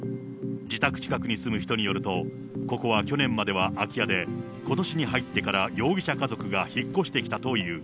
自宅近くに住む人によると、ここは去年までは空き家で、ことしに入ってから容疑者家族が引っ越してきたという。